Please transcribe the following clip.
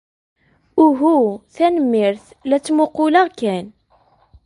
Uhu, tanemmirt. La ttmuqquleɣ kan.